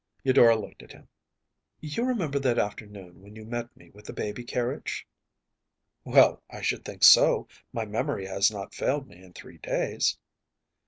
‚ÄĚ Eudora looked at him. “You remember that afternoon when you met me with the baby carriage?‚ÄĚ “Well, I should think so. My memory has not failed me in three days.